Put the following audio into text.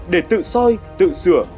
để tự soi tự sửa